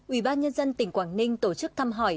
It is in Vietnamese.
một ubnd tỉnh quảng ninh tổ chức thăm hỏi